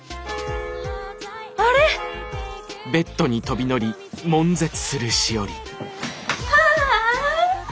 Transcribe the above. あれ！はあ！